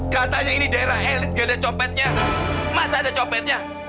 katanya ini daerah elit gak ada copetnya masa ada copetnya